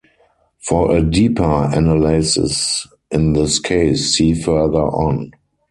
For a deeper analysis in this case see further on.